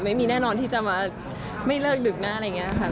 ไม่มีแน่นอนที่จะมาไม่เลิกดึกนะอะไรอย่างนี้ค่ะ